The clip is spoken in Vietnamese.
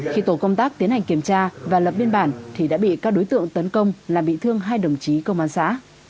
khi tổ công tác tiến hành kiểm tra và lập biên bản thì đã bị các đối tượng tấn công làm bị thương hai đồng chí công an xã